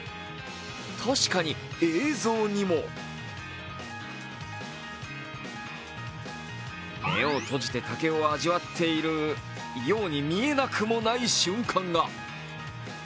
確かに映像にも目を閉じて竹を味わっているようにも見えなくはない瞬間が。